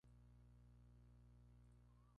No presta ningún servicio de cargas ni pasajeros.